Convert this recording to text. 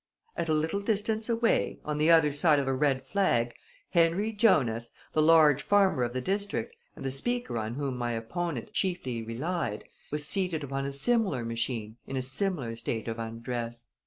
At a little distance away, on the other side of a red flag, Henry Jonas, the large farmer of the district, and the speaker on whom my opponent chiefly relied, was seated upon a similar machine in a similar state of undress.